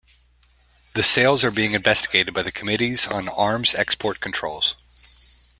The sales are being investigated by the Committees on Arms Export Controls.